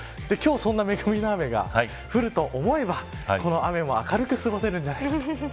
そんな恵みの雨が今日、降ると思えばこの雨も明るく過ごせるんじゃないでしょうか。